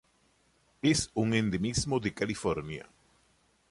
Es un endemismo de California.